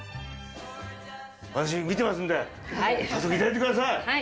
私見てますんで早速いただいてください。